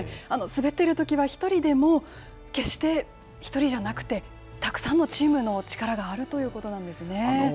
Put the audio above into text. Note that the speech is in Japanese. あの滑ってるときは１人でも、決して１人じゃなくて、たくさんのチームの力があるということなんですね。